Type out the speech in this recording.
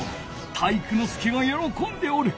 体育ノ介がよろこんでおる。